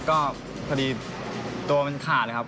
ก็พอดีตัวมันขาดนะครับ